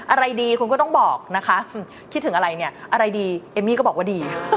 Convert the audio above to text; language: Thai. อะไรดีคุณก็ต้องบอกนะคะคิดถึงอะไรเนี่ยอะไรดีเอมมี่ก็บอกว่าดี